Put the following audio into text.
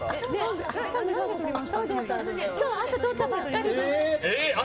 今日、朝とったばっかり。